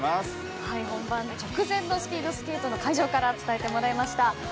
本番直前のスピードスケートの会場から伝えてもらいました。